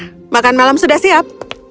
lupakan saja makan malam sudah siap